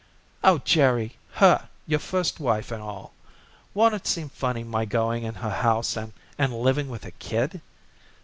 "Oh, Jerry, her your first wife and all! Won't it seem funny my going in her house and and living with her kid."